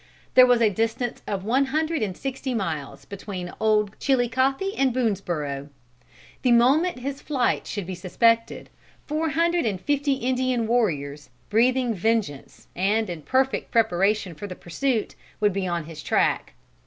There was a distance of one hundred and sixty miles between Old Chilicothe and Boonesborough. The moment his flight should be suspected, four hundred and fifty Indian warriors, breathing vengeance, and in perfect preparation for the pursuit, would be on his track.